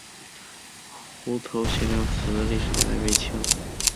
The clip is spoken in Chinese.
湖头贤良祠的历史年代为清。